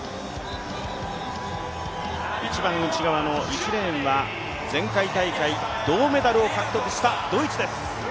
一番内側の１レーンは前回大会銅メダルを獲得したドイツです。